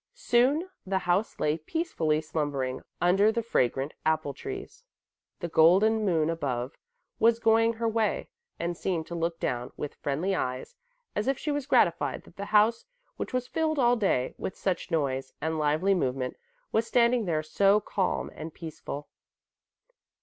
Soon the house lay peacefully slumbering under the fragrant apple trees. The golden moon above was going her way and seemed to look down with friendly eyes, as if she was gratified that the house, which was filled all day with such noise and lively movement, was standing there so calm and peaceful.